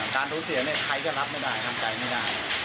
การทุนเสียสมบูรณ์ใครรับไม่ได้